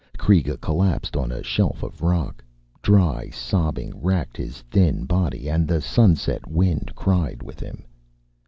Kreega collapsed on a shelf of rock. Dry sobbing racked his thin body, and the sunset wind cried with him.